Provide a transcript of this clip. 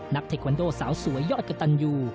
เทควันโดสาวสวยยอดกระตันยู